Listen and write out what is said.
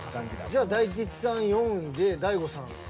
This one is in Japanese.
じゃあ大吉さん４位で大悟さん。